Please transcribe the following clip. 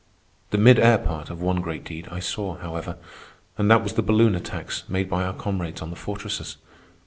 The mid air part of one great deed I saw, however, and that was the balloon attacks made by our comrades on the fortresses.